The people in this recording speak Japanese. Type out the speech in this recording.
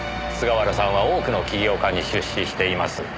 菅原さんは多くの起業家に出資しています。